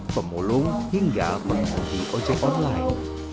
pemulung hingga pengemudi ojek online